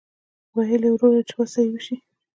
ویل یې وروره چې وسه یې وشي.